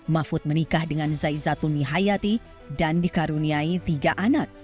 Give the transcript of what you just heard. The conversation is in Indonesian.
mahfud menikah dengan zai zatuni hayati dan dikaruniai tiga anak